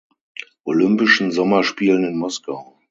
Olympischen Sommerspielen in Moskau.